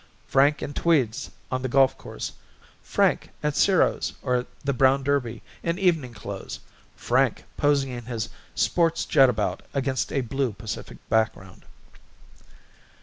Frank in tweeds on the golf course. Frank at Ciro's or the Brown Derby in evening clothes. Frank posing in his sports jetabout against a blue Pacific background.